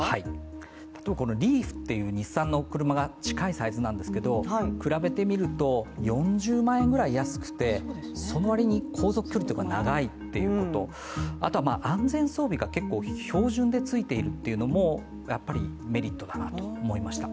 リーフという日産の車が近いサイズなんですが比べてみると４０万円ぐらい安くてその割に航続距離が長いということ、あと安全装備が標準でついているというのもやっぱりメリットだなと思いました。